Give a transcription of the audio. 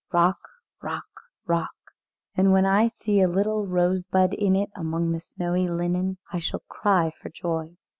Rock, rock, rock, and when I see a little rosebud in it among the snowy linen, I shall cry for joy."